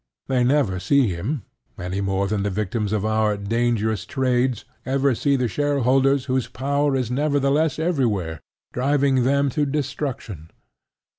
They never see him, any more than the victims of our "dangerous trades" ever see the shareholders whose power is nevertheless everywhere, driving them to destruction.